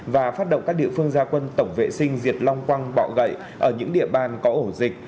và phát động các địa phương gia quân tổng vệ sinh diệt long quăng bọ gậy ở những địa bàn có ổ dịch